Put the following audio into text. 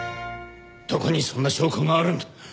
どこにそんな証拠があるんだ？